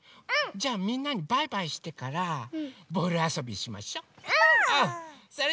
じゃみんなにバイバイしてからボールあそびしましょ。ぽぅ！